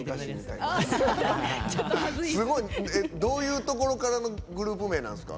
どういうところからのグループ名なんですか？